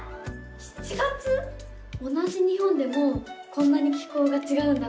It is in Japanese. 同じ日本でもこんなに気候がちがうんだな。